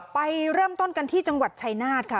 ไปเริ่มต้นกันที่จังหวัดชายนาฏค่ะ